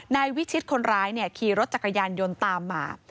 นายวิชิตคนร้ายขี่รถจักรยานยนต์ตามมา